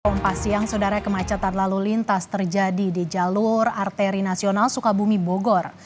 kompas siang saudara kemacetan lalu lintas terjadi di jalur arteri nasional sukabumi bogor